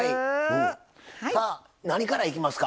何からいきますか？